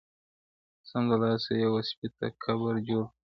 o سمدلاه یې و سپي ته قبر جوړ کی,